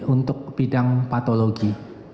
untuk bidang patologi